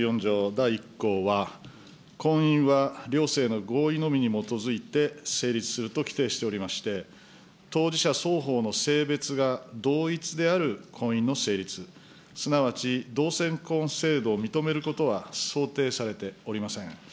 第１項は、婚姻は両性の合意のみに基づいて成立すると規定しておりまして、当事者双方の性別が同一である婚姻の成立、すなわち同性婚制度を認めることは想定されておりません。